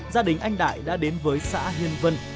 gia đình anh đại đã đến với xã hiền vân